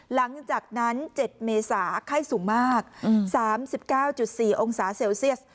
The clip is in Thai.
หลังจากนั้น๗เมษาไข้สูงมาก๓๙๔องศาเซลเซียส